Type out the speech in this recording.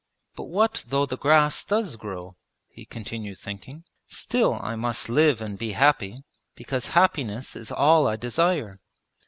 'But what though the grass does grow?' he continued thinking. 'Still I must live and be happy, because happiness is all I desire.